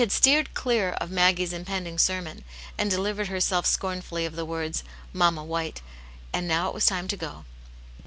177 steered clear of Maggie's impending sermon, arid delivered herself scornfully of the words, " Mamma White," and now it was time to go.